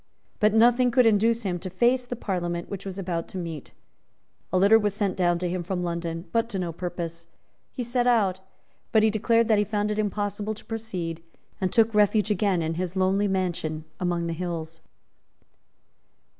But nothing could induce him to face the Parliament which was about to meet. A litter was sent down to him from London, but to no purpose. He set out, but declared that he found it impossible to proceed, and took refuge again in his lonely mansion among the hills.